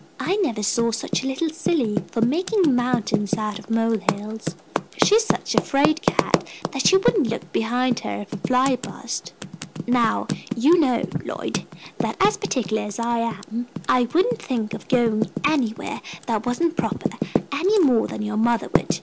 "I never saw such a little silly for making mountains out of mole hills. She is such a fraid cat that she wouldn't look behind her if a fly buzzed. Now you know, Lloyd, that, as particular as I am, I wouldn't think of going anywhere that wasn't proper, any more than your mother would.